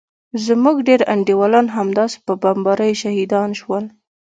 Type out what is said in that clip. زموږ ډېر انډيوالان همداسې په بمباريو شهيدان سول.